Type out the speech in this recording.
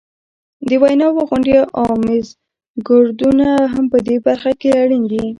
د ویناوو غونډې او میزګردونه هم په دې برخه کې اړین دي.